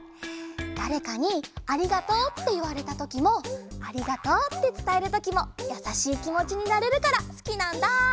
だれかに「ありがとう」っていわれたときも「ありがとう」ってつたえるときもやさしいきもちになれるからすきなんだ！